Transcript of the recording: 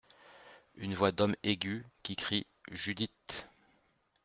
Une voix d’homme, aiguë, qui crie :« Judith !